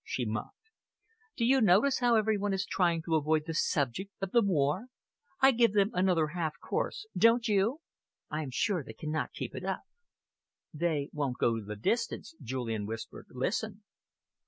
she mocked. "Do you notice how every one is trying to avoid the subject of the war? I give them another half course, don't you? I am sure they cannot keep it up." "They won't go the distance," Julian whispered. "Listen."